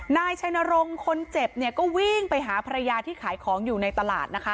นายชัยนรงค์คนเจ็บเนี่ยก็วิ่งไปหาภรรยาที่ขายของอยู่ในตลาดนะคะ